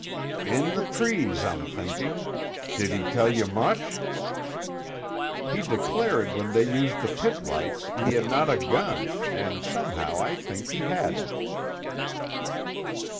"In the trees, I'm thinking! Did he tell ye much?" "He declared when they used the pit lights he had not a gun and somehow I think he hadn't."